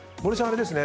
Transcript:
あれですね。